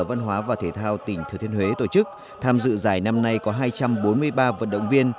văn hóa và thể thao tỉnh thừa thiên huế tổ chức tham dự giải năm nay có hai trăm bốn mươi ba vận động viên